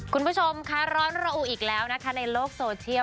คุณผู้ชมค่ะร้อนระอุอีกแล้วนะคะในโลกโซเชียล